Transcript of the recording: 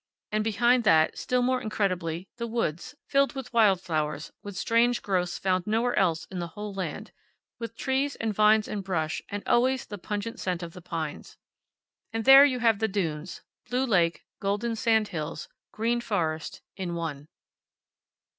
And behind that, still more incredibly, the woods, filled with wild flowers, with strange growths found nowhere else in the whole land, with trees, and vines, and brush, and always the pungent scent of the pines. And there you have the dunes blue lake, golden sand hills, green forest, in one.